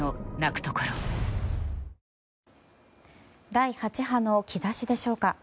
第８波の兆しでしょうか。